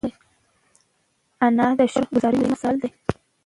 انا د شکر ګذاري مثال ده